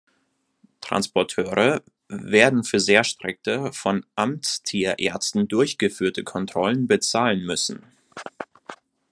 Transporteure werden für sehr strikte, von Amtstierärzten durchgeführte Kontrollen bezahlen müssen.